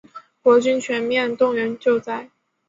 国军全面动员救灾